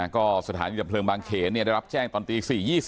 ก็สถานีดับเพลิงบางเขนได้รับแจ้งตอนตี๔๒๐